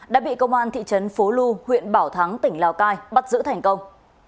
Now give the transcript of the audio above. đã bị công an thị trấn phố lu huyện bảo thắng tỉnh lào cai bắt giữ thành công